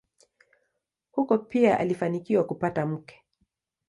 Huko pia alifanikiwa kupata mke.